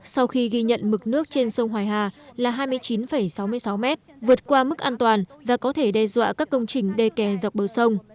sau khi ghi nhận mực nước trên sông hoài hà là hai mươi chín sáu mươi sáu mét vượt qua mức an toàn và có thể đe dọa các công trình đê kè dọc bờ sông